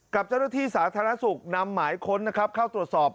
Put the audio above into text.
กับเจ้าหน้าที่สาธารณะศุกร์นำหมายค้นเข้าสตรวจสอบ